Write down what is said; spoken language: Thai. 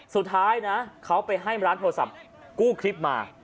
สุดท้ายนะเขาไปให้ร้านโทรศัพท์กู้คลิปมา